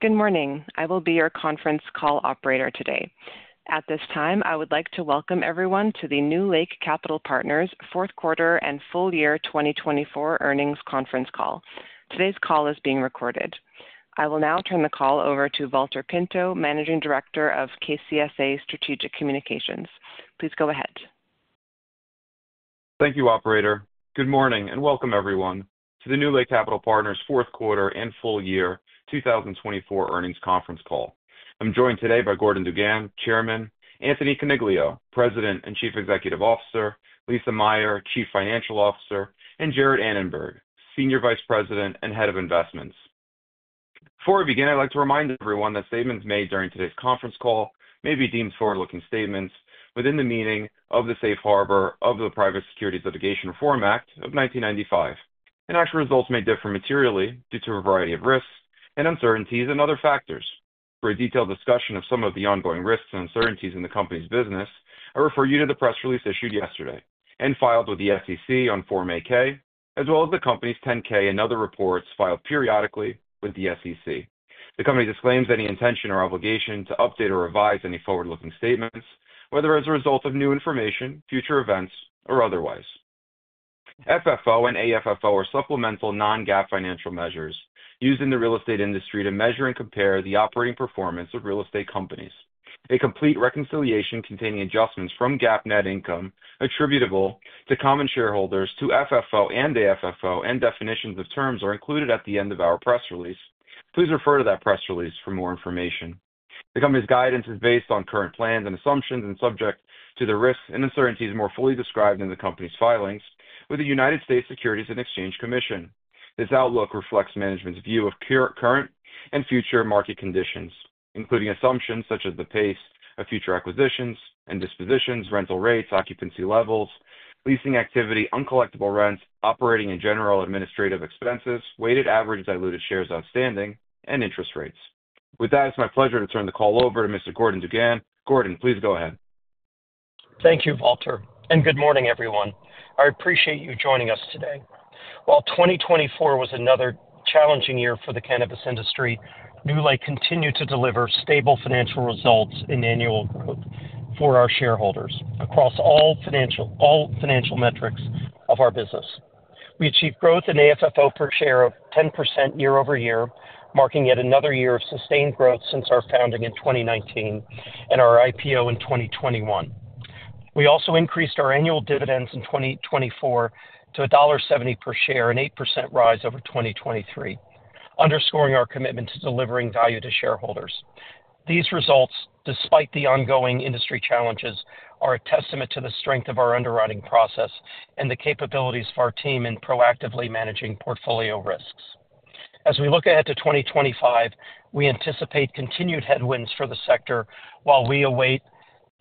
Good morning. I will be your conference call operator today. At this time, I would like to welcome everyone to the NewLake Capital Partners Fourth Quarter and Full Year 2024 Earnings Conference Call. Today's call is being recorded. I will now turn the call over to Valter Pinto, Managing Director of KCSA Strategic Communications. Please go ahead. Thank you, Operator. Good morning and welcome, everyone, to the NewLake Capital Partners Fourth Quarter and Full Year 2024 Earnings Conference Call. I'm joined today by Gordon DuGan, Chairman; Anthony Coniglio, President and Chief Executive Officer; Lisa Meyer, Chief Financial Officer; and Jarrett Annenberg, Senior Vice President and Head of Investments. Before we begin, I'd like to remind everyone that statements made during today's conference call may be deemed forward-looking statements within the meaning of the Safe Harbor of the Private Securities Litigation Reform Act of 1995. Actual results may differ materially due to a variety of risks and uncertainties and other factors. For a detailed discussion of some of the ongoing risks and uncertainties in the company's business, I refer you to the press release issued yesterday and filed with the SEC on Form 8-K, as well as the company's 10-K and other reports filed periodically with the SEC. The company disclaims any intention or obligation to update or revise any forward-looking statements, whether as a result of new information, future events, or otherwise. FFO and AFFO are supplemental non-GAAP financial measures used in the real estate industry to measure and compare the operating performance of real estate companies. A complete reconciliation containing adjustments from GAAP net income attributable to common shareholders to FFO and AFFO and definitions of terms are included at the end of our press release. Please refer to that press release for more information. The company's guidance is based on current plans and assumptions and subject to the risks and uncertainties more fully described in the company's filings with the United States Securities and Exchange Commission. This outlook reflects management's view of current and future market conditions, including assumptions such as the pace of future acquisitions and dispositions, rental rates, occupancy levels, leasing activity, uncollectible rent, operating and general administrative expenses, weighted average diluted shares outstanding, and interest rates. With that, it's my pleasure to turn the call over to Mr. Gordon DuGan. Gordon, please go ahead. Thank you, Walter. Good morning, everyone. I appreciate you joining us today. While 2024 was another challenging year for the Cannabist industry, NewLake continued to deliver stable financial results and annual growth for our shareholders across all financial metrics of our business. We achieved growth in AFFO per share of 10% year-over-year, marking yet another year of sustained growth since our founding in 2019 and our IPO in 2021. We also increased our annual dividends in 2024 to $1.70 per share, an 8% rise over 2023, underscoring our commitment to delivering value to shareholders. These results, despite the ongoing industry challenges, are a testament to the strength of our underwriting process and the capabilities of our team in proactively managing portfolio risks. As we look ahead to 2025, we anticipate continued headwinds for the sector while we await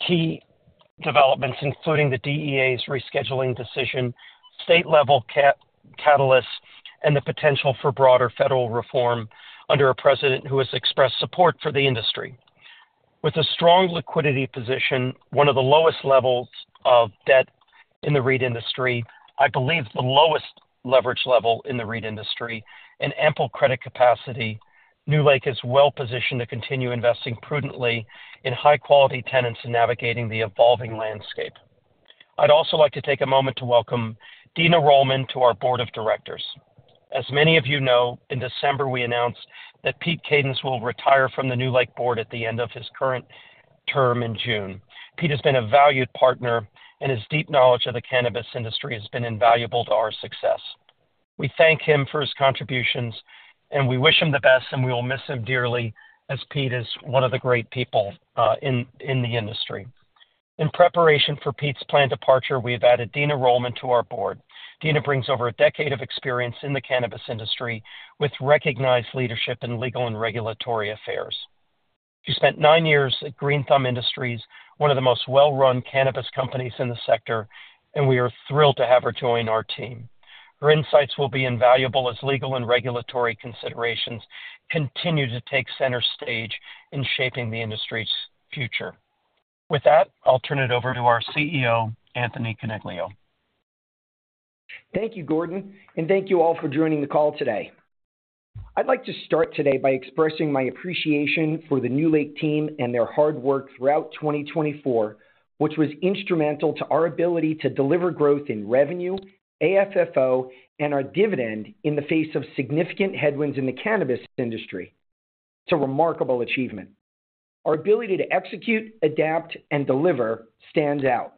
key developments, including the DEA's rescheduling decision, state-level catalysts, and the potential for broader federal reform under a president who has expressed support for the industry. With a strong liquidity position, one of the lowest levels of debt in the REIT industry, I believe the lowest leverage level in the REIT industry, and ample credit capacity, NewLake is well positioned to continue investing prudently in high-quality tenants and navigating the evolving landscape. I'd also like to take a moment to welcome Dina Rollman to our Board of Directors. As many of you know, in December, we announced that Pete Kadens will retire from the NewLake board at the end of his current term in June. Pete has been a valued partner, and his deep knowledge of the Cannabist industry has been invaluable to our success. We thank him for his contributions, and we wish him the best, and we will miss him dearly as Pete is one of the great people in the industry. In preparation for Pete's planned departure, we have added Dina Rollman to our board. Dena brings over a decade of experience in the Cannabist industry with recognized leadership in legal and regulatory affairs. She spent nine years at Green Thumb Industries, one of the most well-run Cannabist companies in the sector, and we are thrilled to have her join our team. Her insights will be invaluable as legal and regulatory considerations continue to take center stage in shaping the industry's future. With that, I'll turn it over to our CEO, Anthony Coniglio. Thank you, Gordon, and thank you all for joining the call today. I'd like to start today by expressing my appreciation for the NewLake team and their hard work throughout 2024, which was instrumental to our ability to deliver growth in revenue, AFFO, and our dividend in the face of significant headwinds in the Cannabist industry. It's a remarkable achievement. Our ability to execute, adapt, and deliver stands out.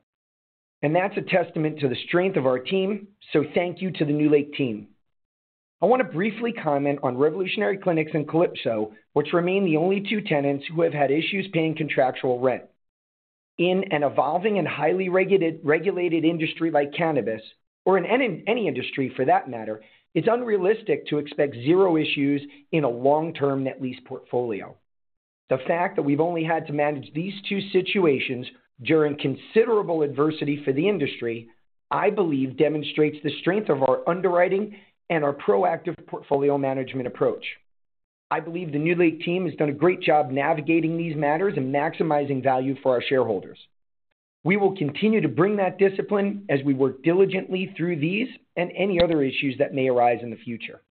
That is a testament to the strength of our team, so thank you to the NewLake team. I want to briefly comment on Revolutionary Clinics and Calypso, which remain the only two tenants who have had issues paying contractual rent. In an evolving and highly regulated industry like Cannabist, or in any industry for that matter, it's unrealistic to expect zero issues in a long-term net lease portfolio. The fact that we've only had to manage these two situations during considerable adversity for the industry, I believe, demonstrates the strength of our underwriting and our proactive portfolio management approach. I believe the NewLake team has done a great job navigating these matters and maximizing value for our shareholders. We will continue to bring that discipline as we work diligently through these and any other issues that may arise in the future.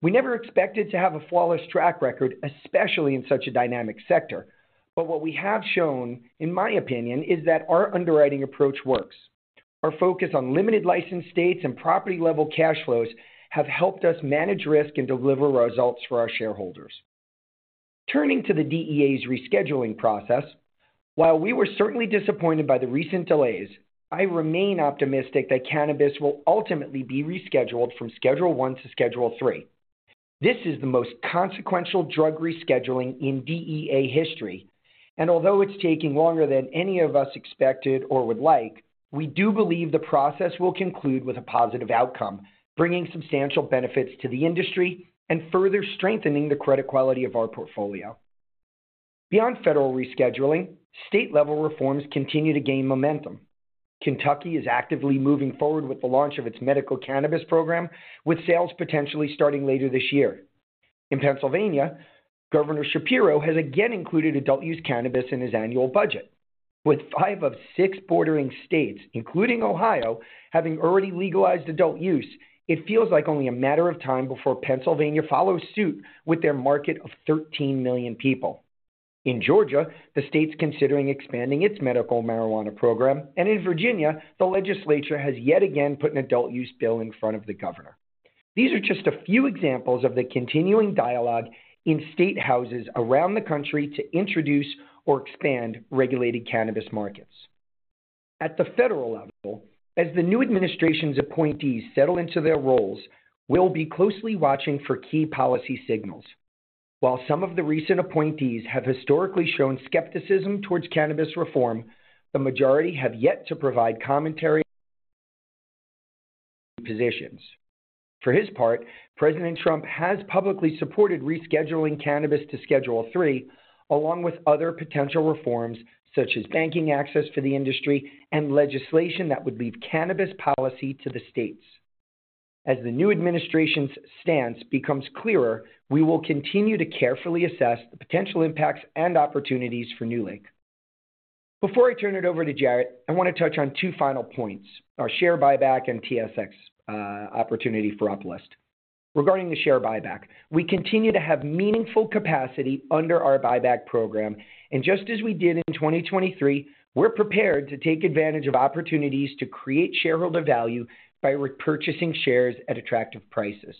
We never expected to have a flawless track record, especially in such a dynamic sector, but what we have shown, in my opinion, is that our underwriting approach works. Our focus on limited license states and property-level cash flows have helped us manage risk and deliver results for our shareholders. Turning to the DEA's rescheduling process, while we were certainly disappointed by the recent delays, I remain optimistic that Cannabist will ultimately be rescheduled from Schedule I to Schedule III. This is the most consequential drug rescheduling in DEA history, and although it's taking longer than any of us expected or would like, we do believe the process will conclude with a positive outcome, bringing substantial benefits to the industry and further strengthening the credit quality of our portfolio. Beyond federal rescheduling, state-level reforms continue to gain momentum. Kentucky is actively moving forward with the launch of its medical Cannabist program, with sales potentially starting later this year. In Pennsylvania, Governor Shapiro has again included adult-use Cannabist in his annual budget. With five of six bordering states, including Ohio, having already legalized adult use, it feels like only a matter of time before Pennsylvania follows suit with their market of 13 million people. In Georgia, the state's considering expanding its medical marijuana program, and in Virginia, the legislature has yet again put an adult-use bill in front of the governor. These are just a few examples of the continuing dialogue in state houses around the country to introduce or expand regulated Cannabist markets. At the federal level, as the new administration's appointees settle into their roles, we'll be closely watching for key policy signals. While some of the recent appointees have historically shown skepticism towards Cannabist reform, the majority have yet to provide commentary on their positions. For his part, President Trump has publicly supported rescheduling Cannabist to Schedule III, along with other potential reforms such as banking access for the industry and legislation that would leave Cannabist policy to the states. As the new administration's stance becomes clearer, we will continue to carefully assess the potential impacts and opportunities for NewLake. Before I turn it over to Jarrett, I want to touch on two final points: our share buyback and TSX opportunity for uplift. Regarding the share buyback, we continue to have meaningful capacity under our buyback program, and just as we did in 2023, we're prepared to take advantage of opportunities to create shareholder value by repurchasing shares at attractive prices.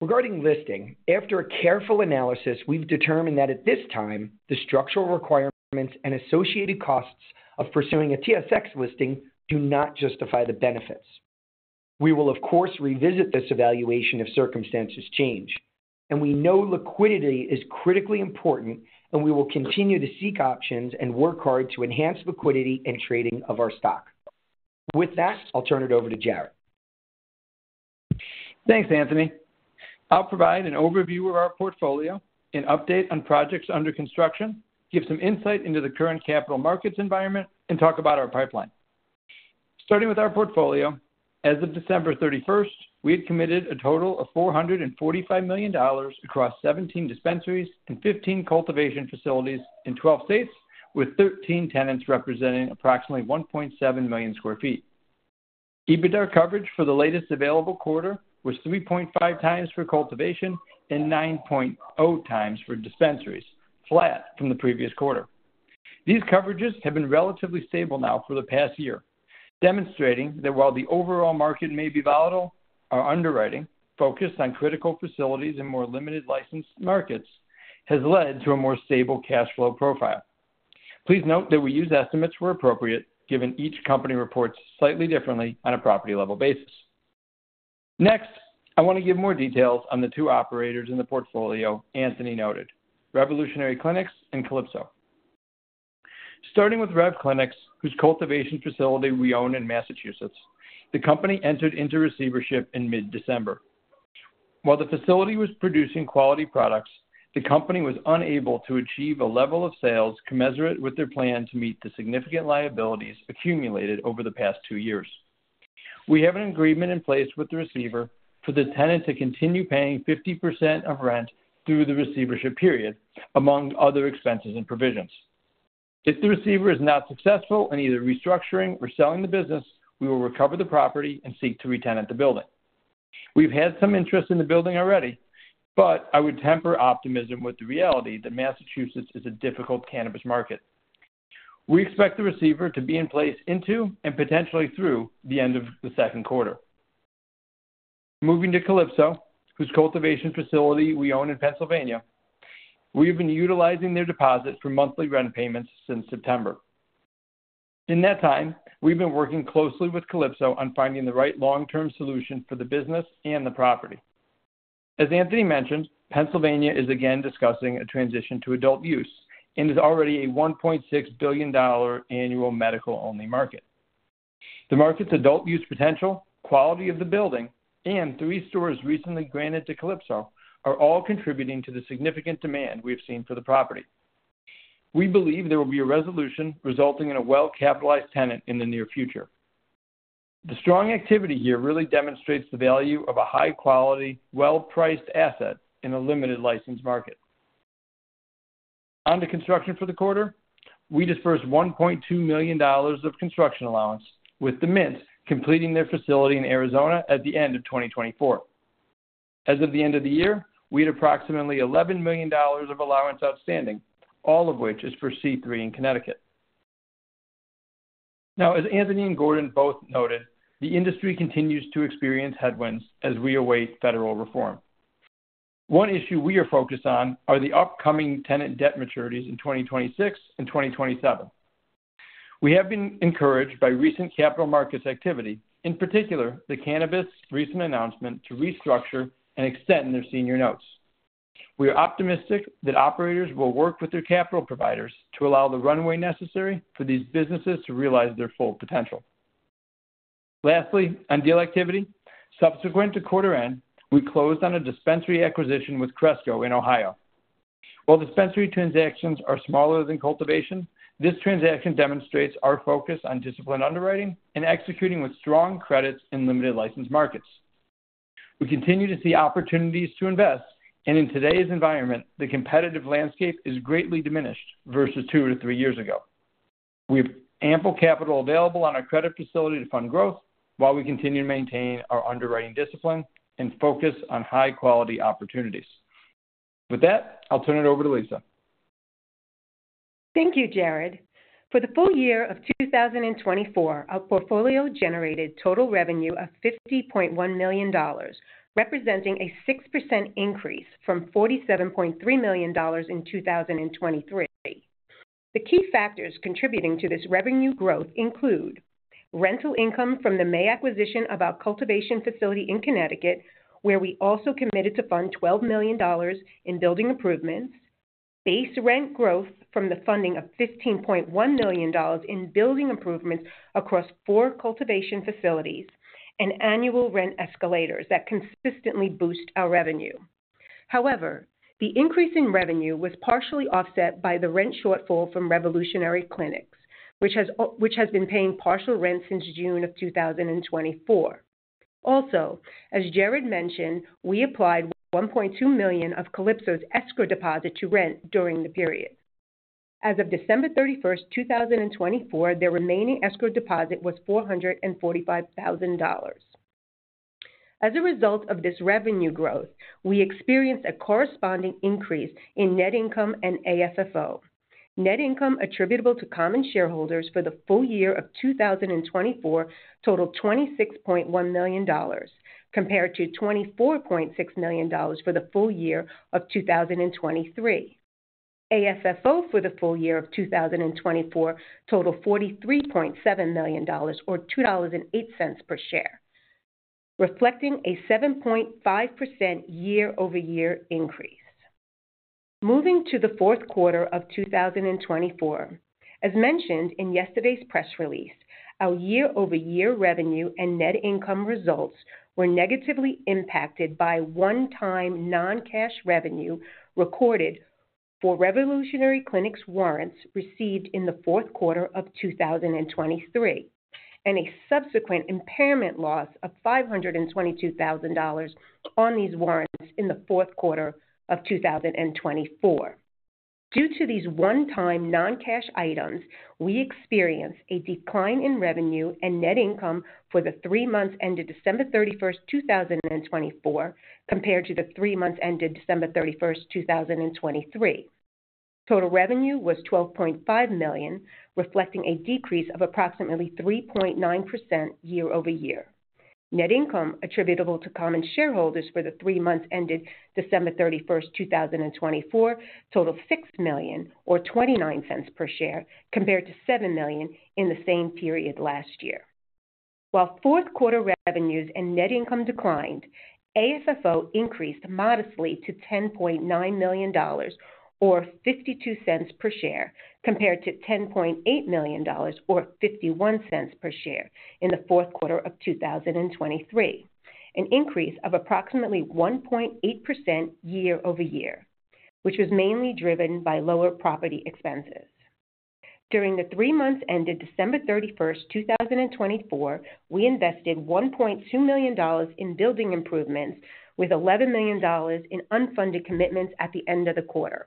Regarding listing, after a careful analysis, we've determined that at this time, the structural requirements and associated costs of pursuing a TSX listing do not justify the benefits. We will, of course, revisit this evaluation if circumstances change, and we know liquidity is critically important, and we will continue to seek options and work hard to enhance liquidity and trading of our stock. With that, I'll turn it over to Jarrett. Thanks, Anthony. I'll provide an overview of our portfolio, an update on projects under construction, give some insight into the current capital markets environment, and talk about our pipeline. Starting with our portfolio, as of December 31, we had committed a total of $445 million across 17 dispensaries and 15 cultivation facilities in 12 states, with 13 tenants representing approximately 1.7 million sq ft. EBITDA coverage for the latest available quarter was 3.5 times for cultivation and 9.0 times for dispensaries, flat from the previous quarter. These coverages have been relatively stable now for the past year, demonstrating that while the overall market may be volatile, our underwriting, focused on critical facilities and more limited licensed markets, has led to a more stable cash flow profile. Please note that we use estimates where appropriate, given each company reports slightly differently on a property-level basis. Next, I want to give more details on the two operators in the portfolio Anthony noted: Revolutionary Clinics and Calypso. Starting with Rev Clinics, whose cultivation facility we own in Massachusetts, the company entered into receivership in mid-December. While the facility was producing quality products, the company was unable to achieve a level of sales commensurate with their plan to meet the significant liabilities accumulated over the past two years. We have an agreement in place with the receiver for the tenant to continue paying 50% of rent through the receivership period, among other expenses and provisions. If the receiver is not successful in either restructuring or selling the business, we will recover the property and seek to re-tenant the building. We've had some interest in the building already, but I would temper optimism with the reality that Massachusetts is a difficult Cannabist market. We expect the receiver to be in place into and potentially through the end of the second quarter. Moving to Calypso, whose cultivation facility we own in Pennsylvania, we have been utilizing their deposit for monthly rent payments since September. In that time, we've been working closely with Calypso on finding the right long-term solution for the business and the property. As Anthony mentioned, Pennsylvania is again discussing a transition to adult use and is already a $1.6 billion annual medical-only market. The market's adult-use potential, quality of the building, and three stores recently granted to Calypso are all contributing to the significant demand we've seen for the property. We believe there will be a resolution resulting in a well-capitalized tenant in the near future. The strong activity here really demonstrates the value of a high-quality, well-priced asset in a limited license market. On to construction for the quarter, we disbursed $1.2 million of construction allowance, with the Mint completing their facility in Arizona at the end of 2024. As of the end of the year, we had approximately $11 million of allowance outstanding, all of which is for C3 in Connecticut. Now, as Anthony and Gordon both noted, the industry continues to experience headwinds as we await federal reform. One issue we are focused on are the upcoming tenant debt maturities in 2026 and 2027. We have been encouraged by recent capital markets activity, in particular the Cannabist recent announcement to restructure and extend their senior notes. We are optimistic that operators will work with their capital providers to allow the runway necessary for these businesses to realize their full potential. Lastly, on deal activity, subsequent to quarter end, we closed on a dispensary acquisition with Cresco in Ohio. While dispensary transactions are smaller than cultivation, this transaction demonstrates our focus on disciplined underwriting and executing with strong credits in limited license markets. We continue to see opportunities to invest, and in today's environment, the competitive landscape is greatly diminished versus two to three years ago. We have ample capital available on our credit facility to fund growth while we continue to maintain our underwriting discipline and focus on high-quality opportunities. With that, I'll turn it over to Lisa. Thank you, Jarrett. For the full year of 2024, our portfolio generated total revenue of $50.1 million, representing a 6% increase from $47.3 million in 2023. The key factors contributing to this revenue growth include rental income from the May acquisition of our cultivation facility in Connecticut, where we also committed to fund $12 million in building improvements, base rent growth from the funding of $15.1 million in building improvements across four cultivation facilities, and annual rent escalators that consistently boost our revenue. However, the increase in revenue was partially offset by the rent shortfall from Revolutionary Clinics, which has been paying partial rent since June of 2024. Also, as Jarrett mentioned, we applied $1.2 million of Calypso's escrow deposit to rent during the period. As of December 31, 2024, their remaining escrow deposit was $445,000. As a result of this revenue growth, we experienced a corresponding increase in net income and AFFO. Net income attributable to common shareholders for the full year of 2024 totaled $26.1 million, compared to $24.6 million for the full year of 2023. AFFO for the full year of 2024 totaled $43.7 million, or $2.08 per share, reflecting a 7.5% year-over-year increase. Moving to the fourth quarter of 2024, as mentioned in yesterday's press release, our year-over-year revenue and net income results were negatively impacted by one-time non-cash revenue recorded for Revolutionary Clinics warrants received in the fourth quarter of 2023, and a subsequent impairment loss of $522,000 on these warrants in the fourth quarter of 2024. Due to these one-time non-cash items, we experienced a decline in revenue and net income for the three months ended December 31st, 2024, compared to the three months ended December 31st, 2023. Total revenue was $12.5 million, reflecting a decrease of approximately 3.9% year-over-year. Net income attributable to common shareholders for the three months ended December 31st, 2024 totaled $6.09 million, or $0.29 per share, compared to $7.00 million in the same period last year. While fourth quarter revenues and net income declined, AFFO increased modestly to $10.9 million, or $0.52 per share, compared to $10.8 million, or $0.51 per share in the fourth quarter of 2023, an increase of approximately 1.8% year-over-year, which was mainly driven by lower property expenses. During the three months ended December 31st, 2024, we invested $1.2 million in building improvements, with $11 million in unfunded commitments at the end of the quarter.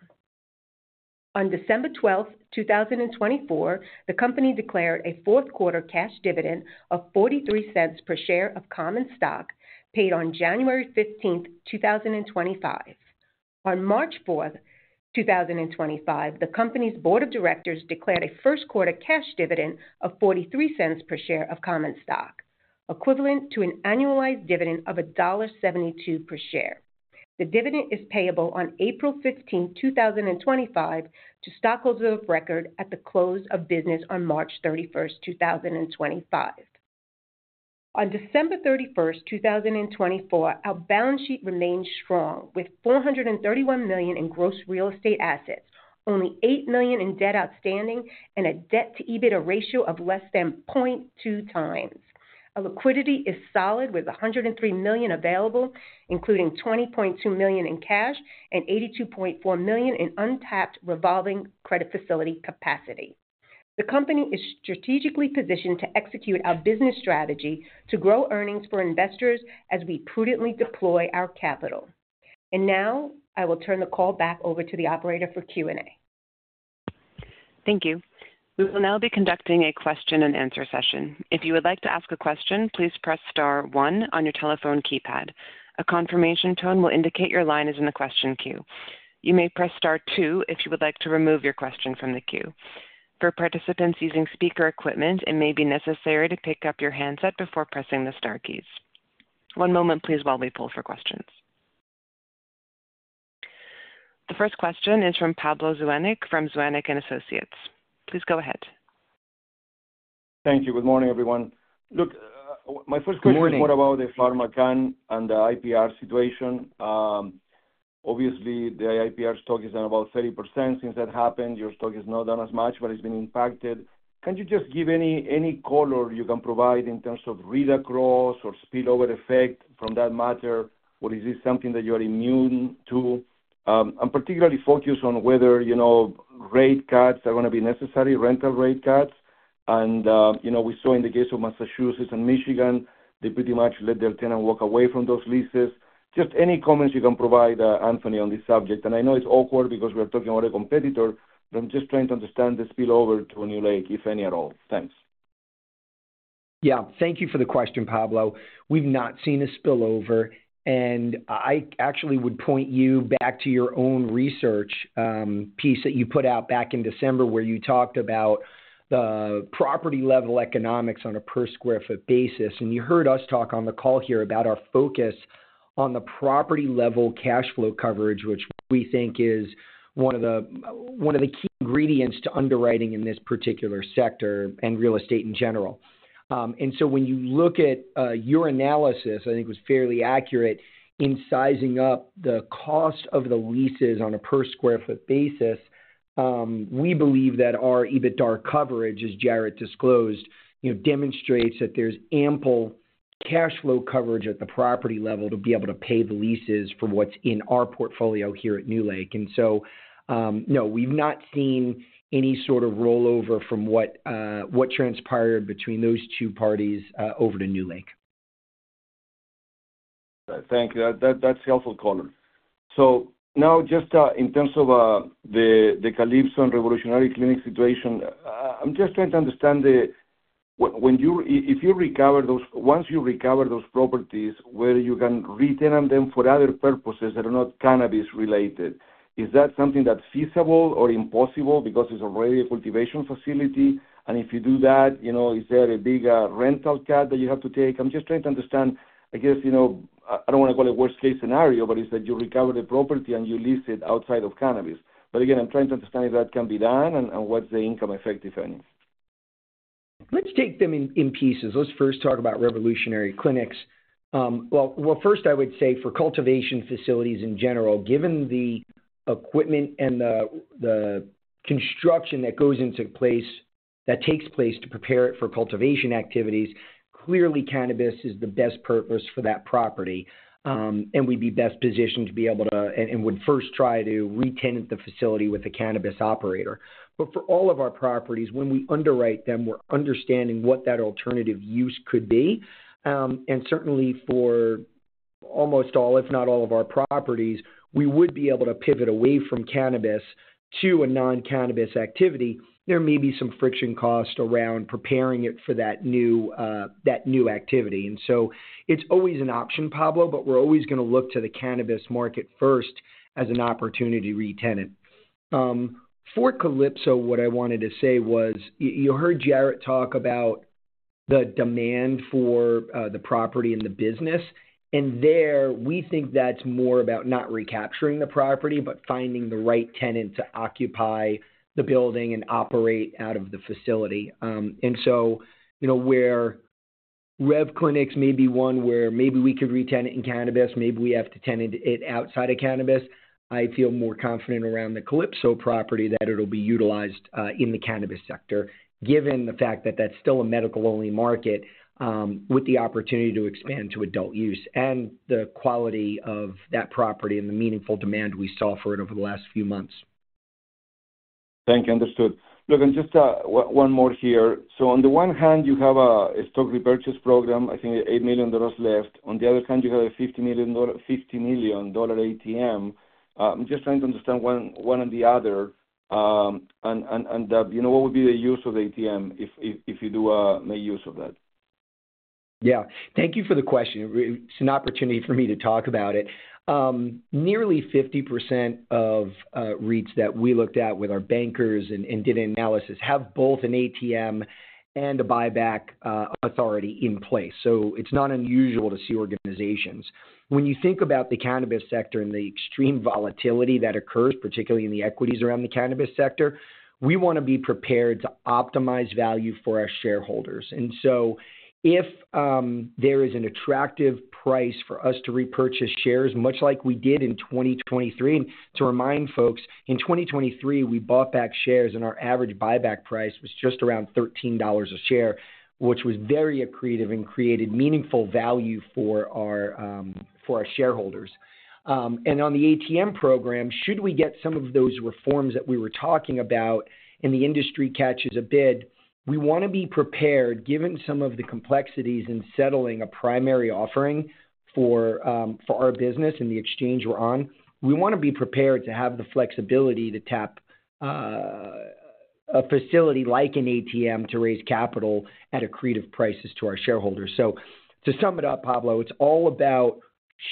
On December 12th, 2024, the company declared a fourth quarter cash dividend of $0.43 per share of common stock, paid on January 15th, 2025. On March 4th, 2025, the company's board of directors declared a first quarter cash dividend of $0.43 per share of common stock, equivalent to an annualized dividend of $1.72 per share. The dividend is payable on April 15th, 2025, to stockholders of record at the close of business on March 31st, 2025. On December 31st, 2024, our balance sheet remained strong, with $431 million in gross real estate assets, only $8 million in debt outstanding, and a debt-to-EBITDA ratio of less than 0.2 times. Liquidity is solid, with $103 million available, including $20.2 million in cash and $82.4 million in untapped revolving credit facility capacity. The company is strategically positioned to execute our business strategy to grow earnings for investors as we prudently deploy our capital. I will turn the call back over to the operator for Q&A. Thank you. We will now be conducting a question-and-answer session. If you would like to ask a question, please press Star 1 on your telephone keypad. A confirmation tone will indicate your line is in the question queue. You may press Star 2 if you would like to remove your question from the queue. For participants using speaker equipment, it may be necessary to pick up your handset before pressing the Star keys. One moment, please, while we pull for questions. The first question is from Pablo Zuanic from Zuanic & Associates. Please go ahead. Thank you. Good morning, everyone. Look, my first question is more about the PharmaCann and the IIPR situation. Obviously, the IIPR stock is down about 30%. Since that happened, your stock is not down as much, but it's been impacted. Can you just give any color you can provide in terms of read across or spillover effect from that matter? Is this something that you are immune to? I'm particularly focused on whether rate cuts are going to be necessary, rental rate cuts. We saw in the case of Massachusetts and Michigan, they pretty much let their tenant walk away from those leases. Just any comments you can provide, Anthony, on this subject. I know it's awkward because we are talking about a competitor, but I'm just trying to understand the spillover to NewLake, if any at all. Thanks. Yeah. Thank you for the question, Pablo. We've not seen a spillover. I actually would point you back to your own research piece that you put out back in December where you talked about the property-level economics on a per sq ft basis. You heard us talk on the call here about our focus on the property-level cash flow coverage, which we think is one of the key ingredients to underwriting in this particular sector and real estate in general. When you look at your analysis, I think it was fairly accurate in sizing up the cost of the leases on a per sq ft basis. We believe that our EBITDA coverage, as Jarrett disclosed, demonstrates that there's ample cash flow coverage at the property level to be able to pay the leases for what's in our portfolio here at NewLake. No, we've not seen any sort of rollover from what transpired between those two parties over to NewLake. Thank you. That's helpful, Colin. Just in terms of the Calypso and Revolutionary Clinics situation, I'm just trying to understand if you recover those—once you recover those properties, whether you can re-tenant them for other purposes that are not Cannabist-related, is that something that's feasible or impossible because it's already a cultivation facility? If you do that, is there a big rental cap that you have to take? I'm just trying to understand, I guess, I don't want to call it worst-case scenario, but it's that you recover the property and you lease it outside of Cannabist. Again, I'm trying to understand if that can be done and what's the income effect, if any. Let's take them in pieces. Let's first talk about Revolutionary Clinics. First, I would say for cultivation facilities in general, given the equipment and the construction that goes into place that takes place to prepare it for cultivation activities, clearly Cannabist is the best purpose for that property. We'd be best positioned to be able to—and would first try to—re-tenant the facility with a Cannabist operator. For all of our properties, when we underwrite them, we're understanding what that alternative use could be. Certainly, for almost all, if not all, of our properties, we would be able to pivot away from Cannabist to a non-Cannabist activity. There may be some friction cost around preparing it for that new activity. It's always an option, Pablo, but we're always going to look to the Cannabist market first as an opportunity to re-tenant. For Calypso, what I wanted to say was you heard Jarrett talk about the demand for the property and the business. There, we think that's more about not recapturing the property, but finding the right tenant to occupy the building and operate out of the facility. Where Revolutionary Clinics may be one where maybe we could re-tenant in Cannabist, maybe we have to tenant it outside of Cannabist, I feel more confident around the Calypso property that it'll be utilized in the Cannabist sector, given the fact that that's still a medical-only market with the opportunity to expand to adult use and the quality of that property and the meaningful demand we saw for it over the last few months. Thank you. Understood. Look, just one more here. On the one hand, you have a stock repurchase program, I think $8 million left. On the other hand, you have a $50 million ATM. I'm just trying to understand one and the other. What would be the use of the ATM if you do make use of that? Yeah. Thank you for the question. It's an opportunity for me to talk about it. Nearly 50% of REITs that we looked at with our bankers and did analysis have both an ATM and a buyback authority in place. It's not unusual to see organizations. When you think about the Cannabist sector and the extreme volatility that occurs, particularly in the equities around the Cannabist sector, we want to be prepared to optimize value for our shareholders. If there is an attractive price for us to repurchase shares, much like we did in 2023, and to remind folks, in 2023, we bought back shares and our average buyback price was just around $13 a share, which was very accretive and created meaningful value for our shareholders. On the ATM program, should we get some of those reforms that we were talking about and the industry catches a bid, we want to be prepared, given some of the complexities in settling a primary offering for our business and the exchange we're on, we want to be prepared to have the flexibility to tap a facility like an ATM to raise capital at accretive prices to our shareholders. To sum it up, Pablo, it's all about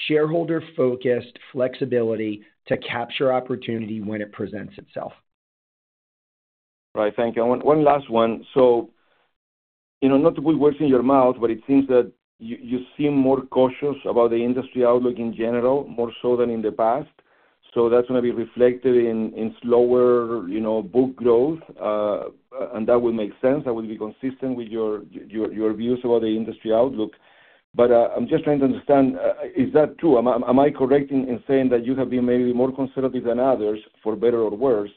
shareholder-focused flexibility to capture opportunity when it presents itself. Right. Thank you. One last one. Not to put words in your mouth, but it seems that you seem more cautious about the industry outlook in general, more so than in the past. That is going to be reflected in slower book growth. That would make sense. That would be consistent with your views about the industry outlook. I am just trying to understand, is that true? Am I correct in saying that you have been maybe more conservative than others, for better or worse,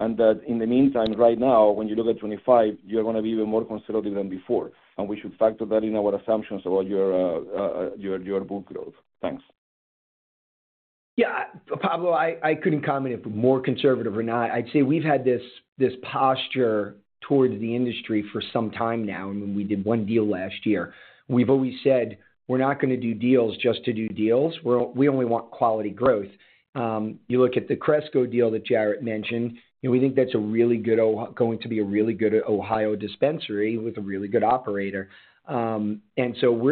and that in the meantime, right now, when you look at 2025, you are going to be even more conservative than before? We should factor that in our assumptions about your book growth. Thanks. Yeah. Pablo, I couldn't comment if we're more conservative or not. I'd say we've had this posture towards the industry for some time now. When we did one deal last year, we've always said, "We're not going to do deals just to do deals. We only want quality growth." You look at the Cresco deal that Jarrett mentioned, we think that's a really good, going to be a really good Ohio dispensary with a really good operator. We're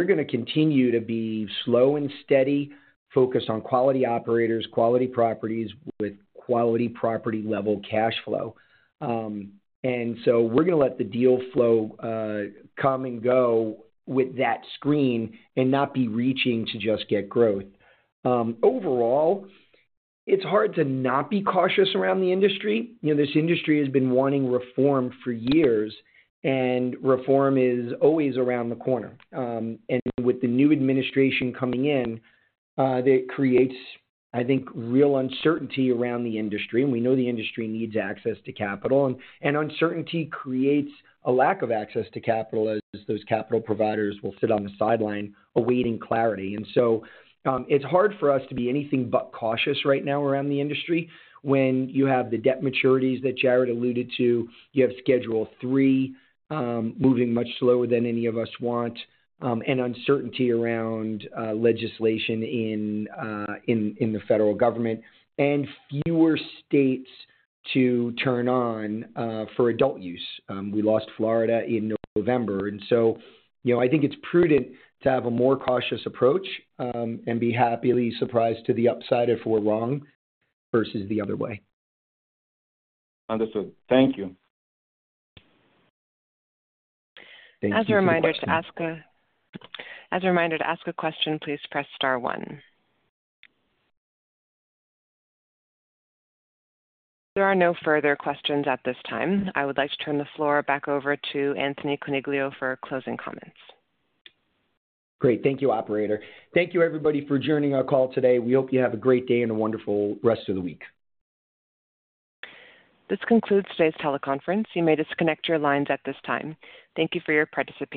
going to continue to be slow and steady, focused on quality operators, quality properties with quality property-level cash flow. We're going to let the deal flow come and go with that screen and not be reaching to just get growth. Overall, it's hard to not be cautious around the industry. This industry has been wanting reform for years, and reform is always around the corner. With the new administration coming in, that creates, I think, real uncertainty around the industry. We know the industry needs access to capital. Uncertainty creates a lack of access to capital as those capital providers will sit on the sideline awaiting clarity. It is hard for us to be anything but cautious right now around the industry when you have the debt maturities that Jarrett alluded to, you have Schedule III moving much slower than any of us want, and uncertainty around legislation in the federal government, and fewer states to turn on for adult use. We lost Florida in November. I think it is prudent to have a more cautious approach and be happily surprised to the upside if we are wrong versus the other way. Understood. Thank you. Thank you. As a reminder to ask a question, please press Star 1. There are no further questions at this time. I would like to turn the floor back over to Anthony Coniglio for closing comments. Great. Thank you, operator. Thank you, everybody, for joining our call today. We hope you have a great day and a wonderful rest of the week. This concludes today's teleconference. You may disconnect your lines at this time. Thank you for your participation.